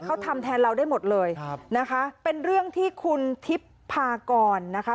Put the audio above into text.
เขาทำแทนเราได้หมดเลยครับนะคะเป็นเรื่องที่คุณทิพย์พากรนะคะ